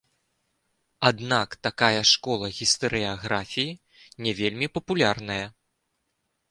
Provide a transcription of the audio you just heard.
Аднак такая школа гістарыяграфіі не вельмі папулярная.